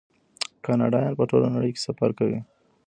کاناډایان په ټوله نړۍ کې سفر کوي.